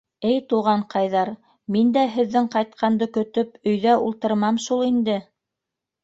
— Эй, туғанҡайҙар, мин дә һеҙҙең ҡайтҡанды көтөп өйҙә ултырмам шул инде!